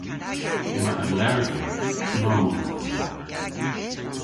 Yma allergedh know dhedha.